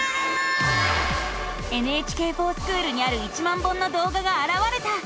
「ＮＨＫｆｏｒＳｃｈｏｏｌ」にある１万本の動画があらわれた！